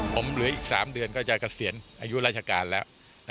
ผมเหลืออีก๓เดือนก็จะเกษียณอายุราชการแล้ว